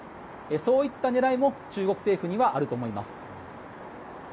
そういった狙いも中国政府にはあると思います。